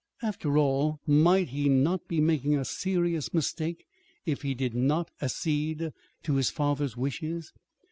After all, might he not be making a serious mistake if he did not accede to his father's wishes?